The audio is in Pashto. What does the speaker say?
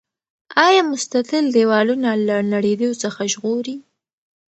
آیا مستطیل دیوالونه له نړیدو څخه ژغوري؟